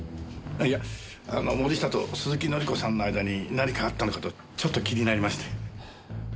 いや森下さんと鈴木紀子さんとの間に何かあったのかとちょっと気になりまして。